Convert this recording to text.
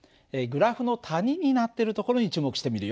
グラフの谷になってるところに注目してみるよ。